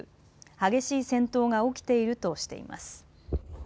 激しい戦闘が起きているとしています。